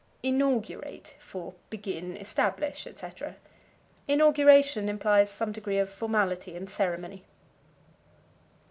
Inaugurate for Begin, Establish, etc. Inauguration implies some degree of formality and ceremony.